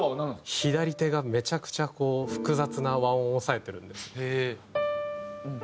左手がめちゃくちゃこう複雑な和音を押さえてるんです。